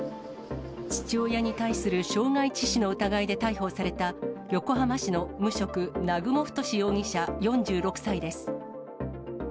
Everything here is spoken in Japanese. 父親に対する傷害致死の疑いで逮捕された、横浜市の無職、南雲太容疑者４６歳です。